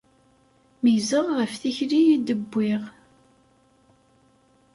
Meyyzeɣ ɣef tikli i d-wwiɣ.